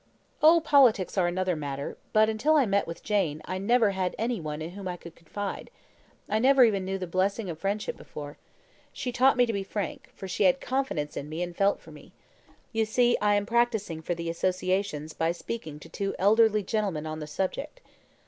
"Oh, politics are another matter; but until I met with Jane, I never had any one in whom I could confide I never even knew the blessing of friendship before. She taught me to be frank, for she had confidence in me and felt for me. You see I am practising for the associations by speaking to two elderly gentlemen on the subject.